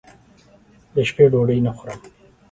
دشپې ډوډۍ نه خورم